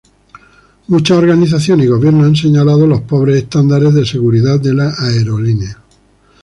Muchas organizaciones y gobiernos han señalado los pobres estándares de seguridad de la aerolínea.